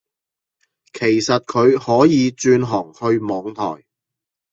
其實佢可以轉行去網台